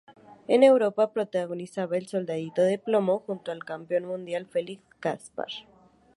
En Europa protagonizaba "El soldadito de plomo" junto al campeón mundial Felix Kaspar.